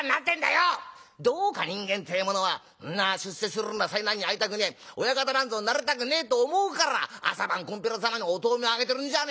どうか人間ってえものはんな出世するような災難に遭いたくねえ親方なんぞになりたくねえと思うから朝晩こんぴら様にお灯明あげてるんじゃねえか。